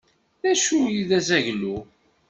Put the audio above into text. D acu i d azaglu?